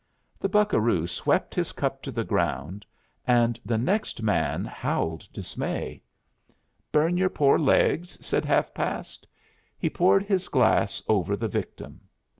The buccaroo swept his cup to the ground, and the next man howled dismay. "Burn your poor legs?" said Half past. He poured his glass over the victim.